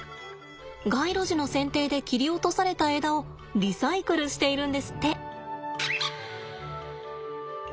街路樹の剪定で切り落とされた枝をリサイクルしているんですって。